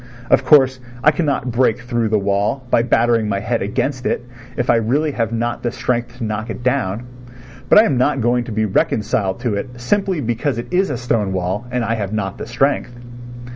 Of course I cannot break through the wall by battering my head against it if I really have not the strength to knock it down, but I am not going to be reconciled to it simply because it is a stone wall and I have not the strength.